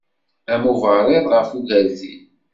Am uberriḍ ɣef ugertil.